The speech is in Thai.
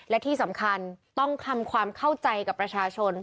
และที่สำคัญต้องทำความเข้าใจกับประชาชน